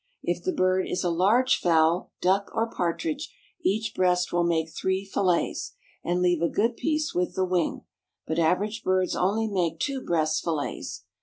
If the bird is a large fowl, duck, or partridge, each breast will make three fillets, and leave a good piece with the wing, but average birds only make two breast fillets.